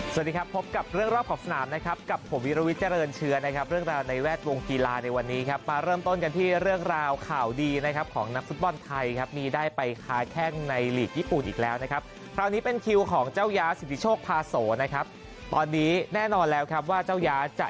สวัสดีครับพบกับเรื่องรอบขอบสนามนะครับกับผมวิรวิทเจริญเชื้อนะครับเรื่องราวในแวดวงกีฬาในวันนี้ครับมาเริ่มต้นกันที่เรื่องราวข่าวดีนะครับของนักฟุตบอลไทยครับมีได้ไปค้าแข้งในหลีกญี่ปุ่นอีกแล้วนะครับคราวนี้เป็นคิวของเจ้าย้าสิทธิโชคพาโสนะครับตอนนี้แน่นอนแล้วครับว่าเจ้าย้าจะ